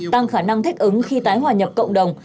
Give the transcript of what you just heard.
tăng khả năng thích ứng khi tái hòa nhập cộng đồng